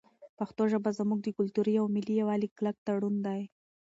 پښتو ژبه زموږ د کلتوري او ملي یووالي کلک تړون دی.